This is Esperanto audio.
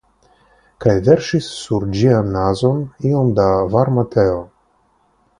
Kaj verŝis sur ĝian nazon iom da varma teo.